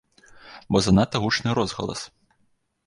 Бо занадта гучны розгалас.